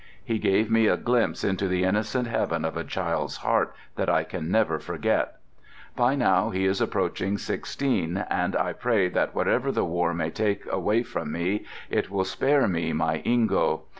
He gave me a glimpse into the innocent heaven of a child's heart that I can never forget. By now he is approaching sixteen, and I pray that whatever the war may take away from me it will spare me my Ingo.